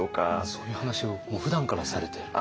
そういう話をふだんからされてる？